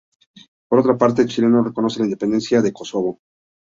Por otra parte, Chile no reconoce la independencia de Kosovo.